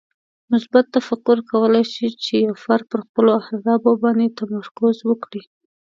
مثبت تفکر کولی شي چې یو فرد پر خپلو اهدافو باندې تمرکز وکړي.